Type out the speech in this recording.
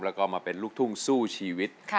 แล้วก็มาเป็นลูกทุ่งสู้ชีวิต